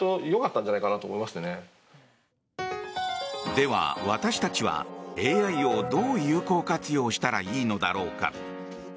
では、私たちはＡＩをどう有効活用したらいいのだろうか。